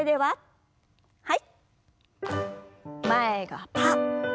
はい。